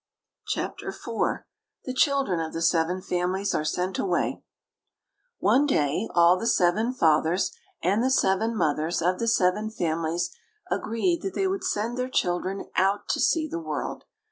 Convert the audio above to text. CHAPTER IV THE CHILDREN OF THE SEVEN FAMILIES ARE SENT AWAY One day all the seven fathers and the seven mothers of the seven families agreed that they would send their children out to see the world.